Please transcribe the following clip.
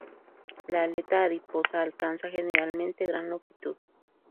La aleta adiposa alcanza, generalmente, gran longitud.